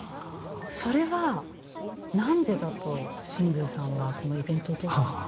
それは何でだと新宮さんはこのイベントを通して思われましたか？